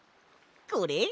これ？